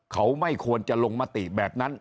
เขาไม่ควรจะลงมติแบบนั้น